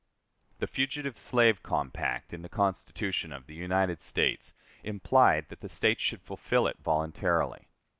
The fugitive slave compact in the Constitution of the United States implied that the States should fulfill it voluntarily.